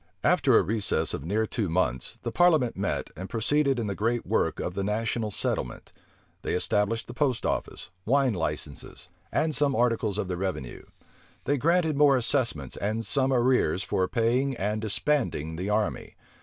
After a recess of near two months, the parliament met, and proceeded in the great work of the national settlement. They established the post office, wine licenses, and some articles of the revenue. They granted more assessments, and some arrears for paying and disbanding the army.